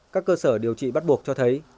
các cơ sở điều trị bắt buộc cho thấy